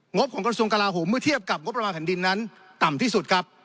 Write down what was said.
บของกระทรวงกลาโหมเมื่อเทียบกับงบประมาณแผ่นดินนั้นต่ำที่สุดครับ